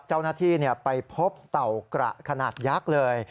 เจ้าหน้าที่ไปพบเต่ากระขนาดยักษ์เลย